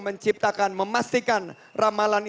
menciptakan memastikan ramalan